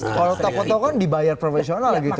kalau tok tok dibayar profesional gitu